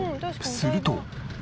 すると。